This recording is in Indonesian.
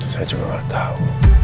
saya juga gak tau